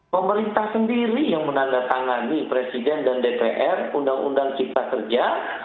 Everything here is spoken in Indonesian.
pemerintah sendiri yang menandatangani presiden dan dpr undang undang cipta kerja